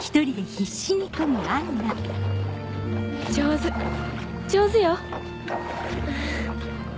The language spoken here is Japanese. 上手上手よ。